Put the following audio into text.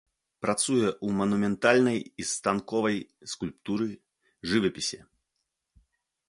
Працуе ў манументальнай і станковай скульптуры, жывапісе.